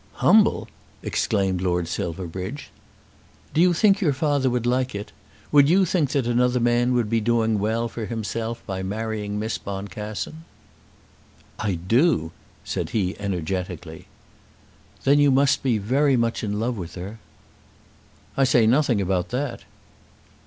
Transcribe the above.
"Humble!" exclaimed Lord Silverbridge. "Do you think your father would like it? Would you think that another man would be doing well for himself by marrying Miss Boncassen?" "I do," said he energetically. "Then you must be very much in love with her." "I say nothing about that."